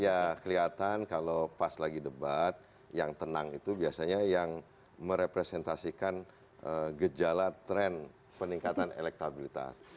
ya kelihatan kalau pas lagi debat yang tenang itu biasanya yang merepresentasikan gejala tren peningkatan elektabilitas